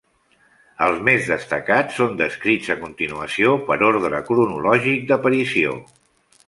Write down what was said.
Els més destacats són descrits a continuació per ordre cronològic d'aparició.